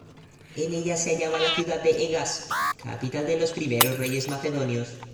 En ella se hallaba la ciudad de Egas, capital de los primeros reyes macedonios.